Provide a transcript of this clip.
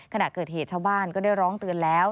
ขณะเกิดเหตุชาวบ้านก็ได้ร้องเตือนแล้ว